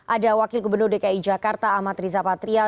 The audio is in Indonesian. ada wakil gubernur dki jakarta amat riza patria